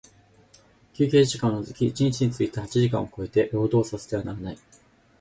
休憩時間を除き一日について八時間を超えて、労働させてはならない。